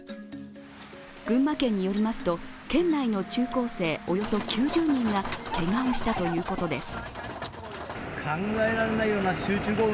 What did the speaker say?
群馬県によりますと、県内の中高生およそ９０人がけがをしたということです。